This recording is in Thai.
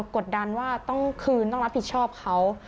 กดดันว่าต้องคืนต้องรับผิดชอบเขา